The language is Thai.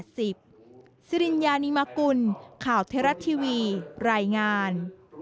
สิริญญานิมกุลข่าวเทราะทีวีรายงาน